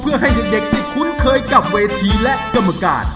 เพื่อให้เด็กที่คุ้นเคยกับเวทีและกรรมการ